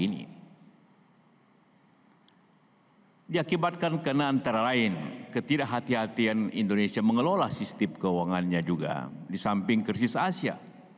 ini diakibatkan karena antara lain ketidakhatian indonesia mengelola sistem keuangannya juga di samping krisis asia